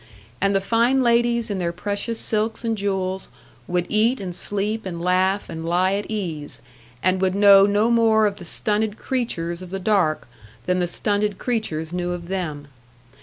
And the fine ladies in their precious silks and jewels would eat and sleep and laugh and lie at ease and would know no more of the stunted creatures of the dark than the stunted creatures knew of them.